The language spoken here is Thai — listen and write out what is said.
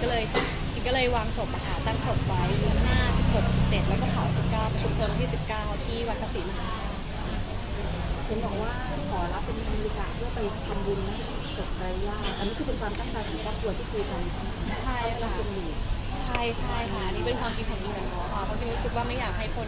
ก็เลยทีมก็เลยวางศพหาตั้งศพไว้สัปดาห์๑๖๑๗แล้วก็เผา๑๙ประชุมภรรณที่๑๙ที่วันภาษีมหาวัน